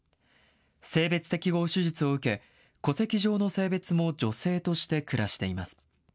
性別適合手術を受け、戸籍上の性別も女性として暮らしています。